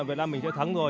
việt nam mình sẽ thắng rồi